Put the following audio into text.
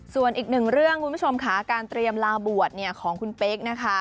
ส่วนอีกหนึ่งเรื่องคุณผู้ชมค่ะการเตรียมลาบวชของคุณเป๊กนะคะ